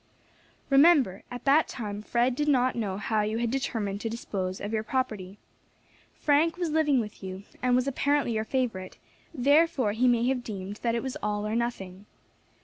"Remember, at that time Fred did not know how you had determined to dispose of your property. Frank was living with you, and was apparently your favourite, therefore he may have deemed that it was all or nothing.